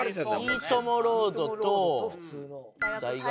いいともロードと大学。